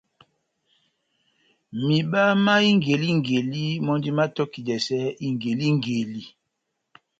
Mihiba má ingelingeli mɔ́ndi mátɔkidɛsɛ ingelingeli.